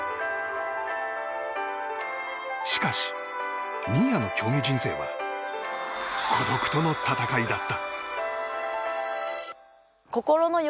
しかし、新谷の競技人生は孤独との闘いだった。